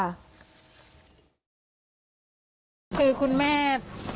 จะว่ายังไงบ้างครับคุณแม่